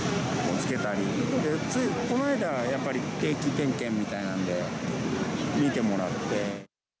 ついこの間、やっぱり定期点検みたいなんで見てもらって。